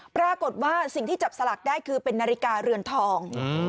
ปรากฏว่าสิ่งที่จับสลักได้คือเป็นนาฬิกาเรือนทอง